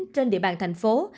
trên địa bàn thành phố